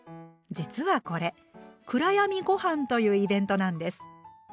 実はこれ「暗闇ごはん」というイベントなんです。